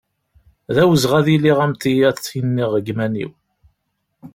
D awezɣi ad iliɣ am tiyaḍ i nniɣ deg yiman-iw.